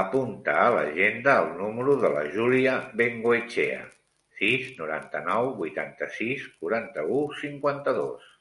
Apunta a l'agenda el número de la Júlia Bengoechea: sis, noranta-nou, vuitanta-sis, quaranta-u, cinquanta-dos.